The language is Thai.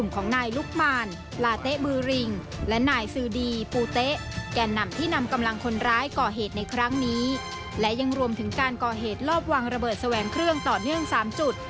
ก็ทอบวางระเบิดแสวงเครื่องต่อเนื่อง๓จุด